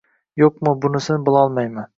yo'qmi, bunisini bilolmayman.